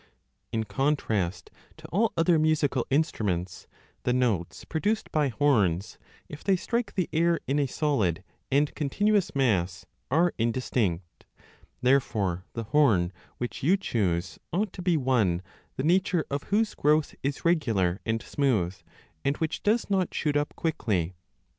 In contrast to all other musical instruments the notes produced by horns, if they strike the air in a solid and continuous mass, are indistinct. Therefore the horn which 20 you choose ought to be one the nature of whose growth is regular and smooth, and which does not shoot up quickly.